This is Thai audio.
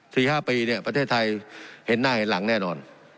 สี่ห้าปีเนี่ยประเทศไทยเห็นหน้าเห็นหลังแน่นอน